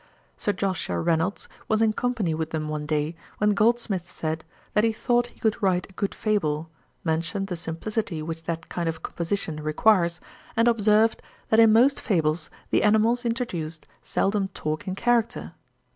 Sir Joshua Reynolds was in company with them one day, when Goldsmith said, that he thought he could write a good fable, mentioned the simplicity which that kind of composition requires, and observed, that in most fables the animals introduced seldom talk in character.